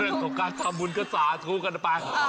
เรื่องของการทำบุญก็สาธุกันไป